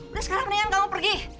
udah sekarang mendingan kamu pergi